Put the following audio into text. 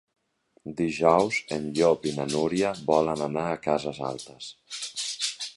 Dijous en Llop i na Núria volen anar a Cases Altes.